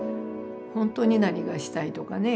本当に何がしたいとかね。